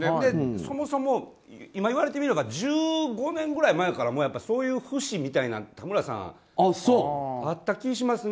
そもそも、今言われてみれば１５年くらい前からそういう節みたいなのがたむらさん、あった気がしますね。